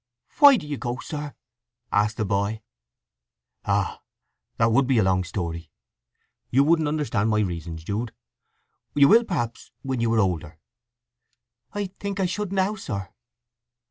"Why do you go, sir?" asked the boy. "Ah—that would be a long story. You wouldn't understand my reasons, Jude. You will, perhaps, when you are older." "I think I should now, sir."